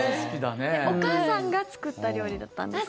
お母さんが作った料理だったんですか？